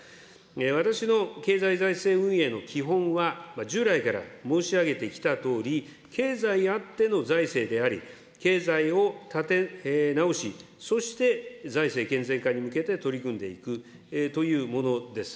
私の経済財政運営の基本は、従来から申し上げてきたとおり、経済あっての財政であり、経済を立て直し、そして財政健全化に向けて取り組んでいくというものです。